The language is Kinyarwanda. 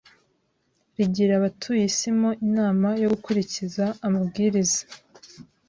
rigira abatuye isi mo inama yo gukurikiza amabwiriza